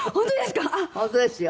本当ですか？